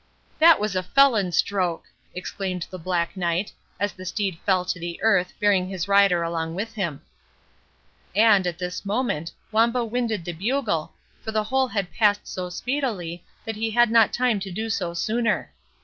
"That was a felon stroke!" exclaimed the Black Knight, as the steed fell to the earth, bearing his rider along with him. And at this moment, Wamba winded the bugle, for the whole had passed so speedily, that he had not time to do so sooner.